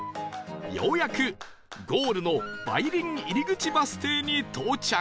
ようやくゴールの梅林入口バス停に到着